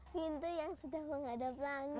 pintu yang sudah menghadap langit